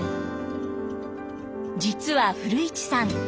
実は古市さん